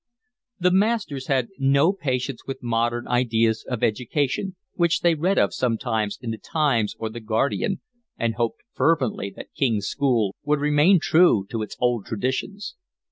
The masters had no patience with modern ideas of education, which they read of sometimes in The Times or The Guardian, and hoped fervently that King's School would remain true to its old traditions.